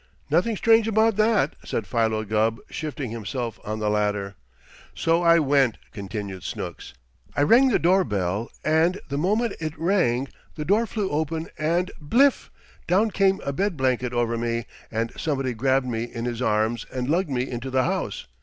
"Nothing strange about that," said Philo Gubb, shifting himself on the ladder. "So I went," continued Snooks. "I rang the doorbell and, the moment it rang, the door flew open and bliff! down came a bed blanket over me and somebody grabbed me in his arms and lugged me into the house.